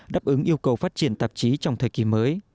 đáp ứng yêu cầu phát triển tạp chí trong thời kỳ mới